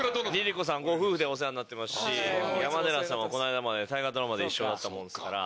さんご夫婦でお世話になってますし山寺さんはこの間まで大河ドラマで一緒だったものですから。